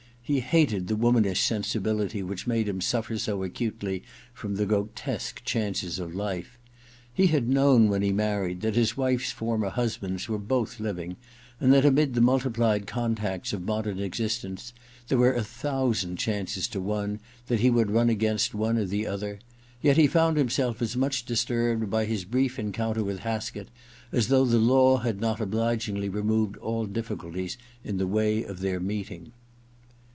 He hated the womanish sensibility which made him suflFer so acutely from the grotesque chances of life. He had known when he married that his wife's former husbands were both living, and that amid the multiplied con tacts of modern existence there were a thousand chances to one that he would run against one or the other, yet he found himself as much dis turbed by his brief encounter with Haskett as though the law had not obligingly removed all difficulties in the way of their meeting.